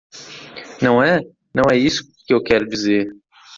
Não é?, não é isso que eu quero dizer.